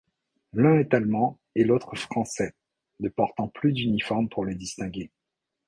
L'un est allemand et l'autre français, ne portant plus d'uniformes pour les distinguer.